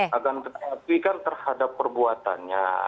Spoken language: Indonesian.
akan diaktifkan terhadap perbuatannya